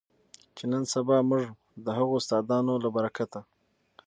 چې نن سبا مونږ د هغو استادانو له برکته